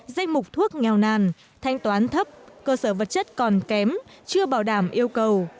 danh mục thuốc nghèo nàn thanh toán thấp cơ sở vật chất còn kém chưa bảo đảm yêu cầu